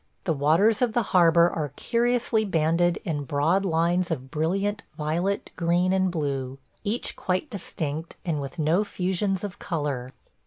The waters of the harbor are curiously banded in broad lines of brilliant violet, green, and blue, each quite distinct and with no fusions of color.